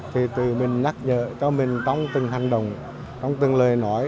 thì tụi mình nhắc nhở cho mình trong từng hành động trong từng lời nói